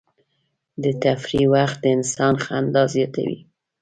د تفریح وخت د انسان خندا زیاتوي.